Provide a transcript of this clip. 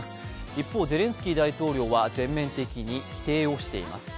一方、ゼレンスキー大統領は全面的に否定をしています。